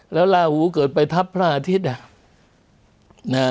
แล้วลาหูเกิดไปทับพระอาทิตย์